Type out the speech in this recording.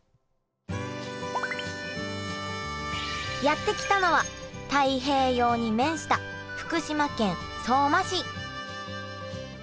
やって来たのは太平洋に面した福島県相馬市。